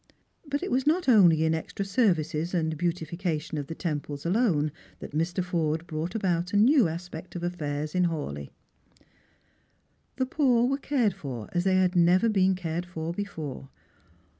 , But it was not only in extra services and beautification of the temples alone that Mr. Forde brought about a new aspect of affairs in Hawleigh. The poor were cared for as they had never been cared for before.